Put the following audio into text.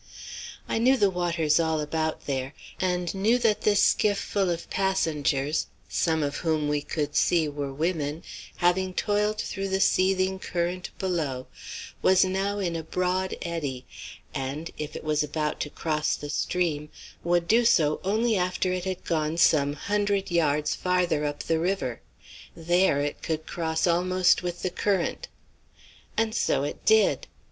I knew the waters all about there, and knew that this skiff full of passengers, some of whom we could see were women, having toiled through the seething current below, was now in a broad eddy, and, if it was about to cross the stream, would do so only after it had gone some hundred yards farther up the river. There it could cross almost with the current. And so it did.